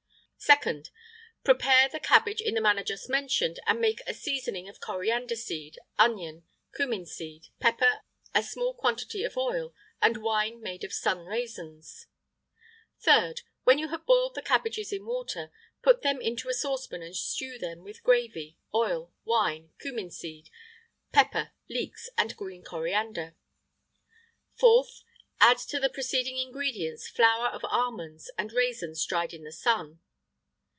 2nd. Prepare the cabbage in the manner just mentioned, and make a seasoning of coriander seed, onion, cummin seed, pepper, a small quantity of oil, and wine made of sun raisins.[IX 20] 3rd. When you have boiled the cabbages in water, put them into a saucepan and stew them with gravy, oil, wine, cummin seed, pepper, leeks, and green coriander.[IX 21] 4th. Add to the preceding ingredients flour of almonds, and raisins dried in the sun.